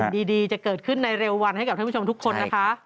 ดีจะเกิดขึ้นในเร็ววันให้กับท่านผู้ชมทุกคนนะคะ